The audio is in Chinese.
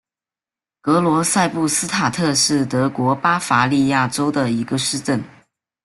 格罗赛布斯塔特是德国巴伐利亚州的一个市镇。